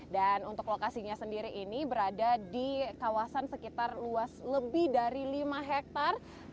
dan untuk lokasinya sendiri ini berada di kawasan sekitar luas lebih dari lima hektare